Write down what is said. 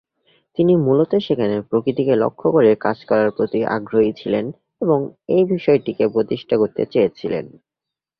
তিনি মুলত সেখানে প্রকৃতিকে লক্ষ্য করে কাজ করার প্রতি আগ্রহী ছিলেন, এবং এই বিষয়টিকে প্রতিষ্ঠিত করতে চেয়েছিলেন।